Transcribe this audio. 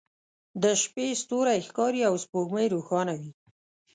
د شپې ستوری ښکاري او سپوږمۍ روښانه وي